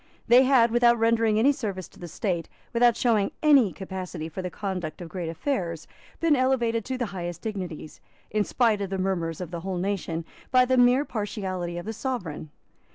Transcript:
They had, without rendering any service to the State, without showing any capacity for the conduct of great affairs, been elevated to the highest dignities, in spite of the murmurs of the whole nation, by the mere partiality of the Sovereign.